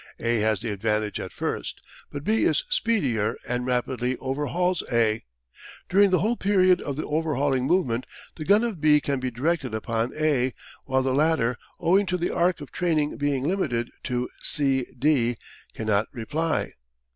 A has the advantage at first, but B is speedier and rapidly overhauls A. During the whole period of the overhauling movement the gun of B can be directed upon A, while the latter, owing to the arc of training being limited to c d cannot reply.